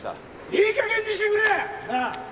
いい加減にしてくれ！なあ！